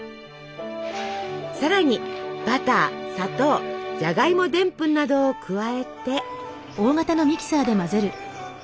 さらにバター砂糖ジャガイモでんぷんなどを加えて。